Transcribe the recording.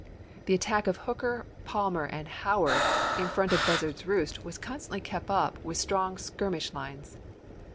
The attack of Hooker, Palmer, and Howard in front of Buzzard's Roost was constantly kept up with strong skirmish lines.